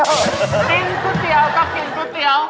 กินชูเตียวก็กินชูเตียว